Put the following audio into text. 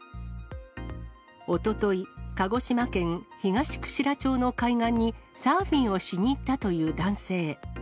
おととい、鹿児島県東串良町の海岸にサーフィンをしに行ったという男性。